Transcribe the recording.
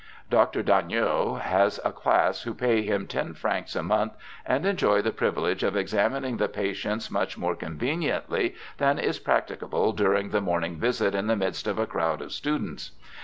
Dr. Dagneau has a class who pay him ten francs a month and enjoy the privilege of examining the patients much more conveniently than is practicable durmg the morn ing visit in the midst of a crowd of students.